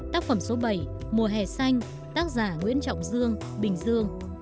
tác phẩm số bảy mùa hè xanh tác giả nguyễn trọng dương bình dương